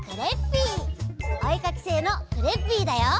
おえかきせいのクレッピーだよ！